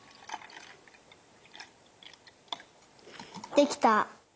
できた！